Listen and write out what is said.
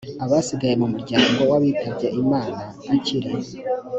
abasigaye mu muryango w uwitabye imana akiri